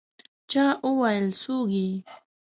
چا وویل: «څوک يې؟»